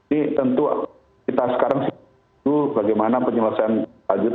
jadi tentu kita sekarang itu bagaimana penyelesaian lanjut